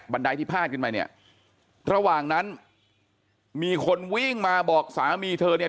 ไดที่พาดขึ้นไปเนี่ยระหว่างนั้นมีคนวิ่งมาบอกสามีเธอเนี่ย